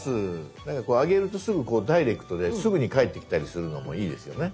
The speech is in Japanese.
なんかこうあげるとすぐこうダイレクトですぐに返ってきたりするのもいいですよね。